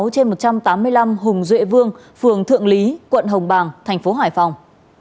trên một trăm tám mươi năm hùng duệ vương phường thượng lý quận hồng bàng thành phố hải phòng